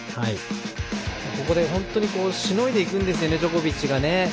ここでしのいでいくんですよねジョコビッチが。